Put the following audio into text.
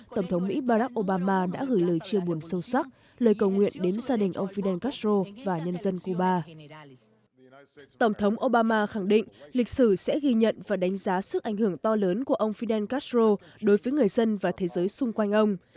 tổng thống obama khẳng định lịch sử sẽ ghi nhận và đánh giá sức ảnh hưởng to lớn của ông fidel castro đối với người dân và thế giới xung quanh ông